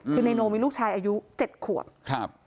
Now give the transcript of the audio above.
คือในโนมีลูกชายอายุ๗ขวบ